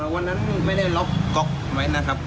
วันนั้นไม่ได้ล็อกก๊อกไว้นะครับ